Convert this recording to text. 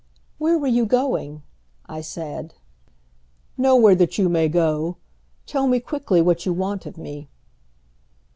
"Where were you going?" I said. "Nowhere that you may go. Tell me quickly what you want of me."